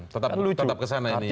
tetap ke sana ini ya